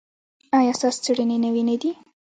ایا ستاسو څیړنې نوې نه دي؟